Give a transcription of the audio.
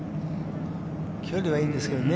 距離はいいんですけどね。